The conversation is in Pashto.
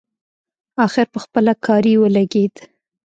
اخر پخپله کاري ولګېد.